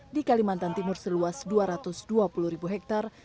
di kalimantan timur seluas dua ratus dua puluh ribu hektare